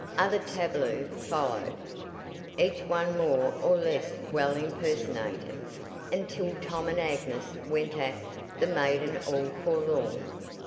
Other tableaux followed, each one more or less well impersonated, until Tom and Agnes went at "The Maiden all Forlorn."